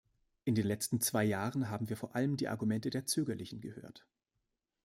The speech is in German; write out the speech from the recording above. In den letzten zwei Jahren haben wir vor allem die Argumente der Zögerlichen gehört.